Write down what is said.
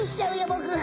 僕。